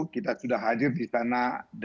kita sudah hadir di sana delapan tiga puluh